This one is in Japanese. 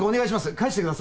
帰してください。